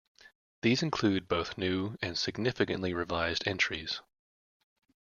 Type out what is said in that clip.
These include both new and significantly revised entries.